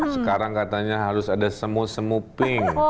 sekarang katanya harus ada semu semu pink